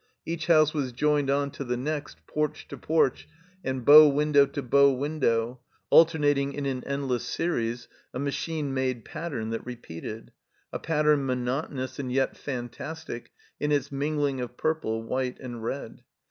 Each house was joined on to the next, porch to porch and bow window to bow window, alternating in an endless series, a machine made pattern that repeated; a pattern monotonous and yet fantastic in its mingling of purple, white, and red.